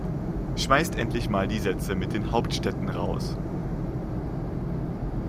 Schmeißt endlich mal die Sätze mit den Hauptstädten raus!